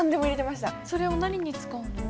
それを何に使うの？